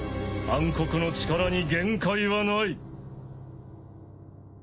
暗黒の力に限界はない。